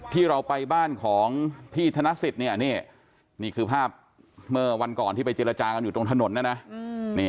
ที่เราไปบ้านของพี่ธนสิทธิ์เนี่ยนี่คือภาพเมื่อวันก่อนที่ไปเจรจากันอยู่ตรงถนนนะนะ